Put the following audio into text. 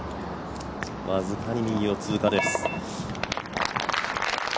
僅かに右を通過です。